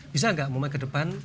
bisa nggak momen ke depan